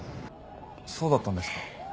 そうだったんですか。